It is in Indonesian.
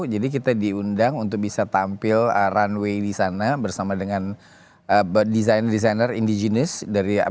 jadi kita diundang untuk bisa tampil runway di sana bersama dengan desainer desainer indigenis dari amerika